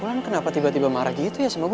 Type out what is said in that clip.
ulan kenapa tiba tiba marah gitu ya sama gue